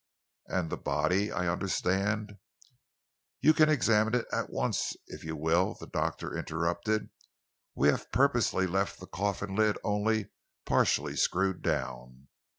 "And the body, I understand, " "You can examine it at once, if you will," the doctor interrupted. "We have purposely left the coffin lid only partly screwed down.